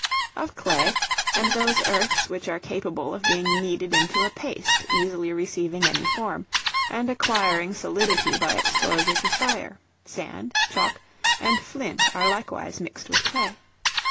Of clay, and those earths which are capable of being kneaded into a paste easily receiving any form, and acquiring solidity by exposure to fire: sand, chalk, and flint are likewise mixed with clay.